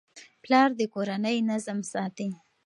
پلار د کورنۍ نظم ساتي.